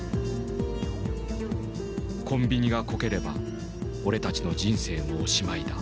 「コンビニがこければ俺たちの人生もおしまいだ」。